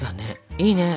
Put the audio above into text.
いいね！